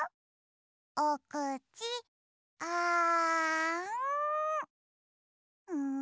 おくちあん！